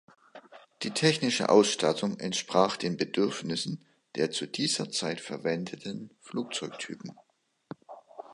Die technische Ausstattung entsprach den Bedürfnissen der zu dieser Zeit verwendeten Flugzeugtypen.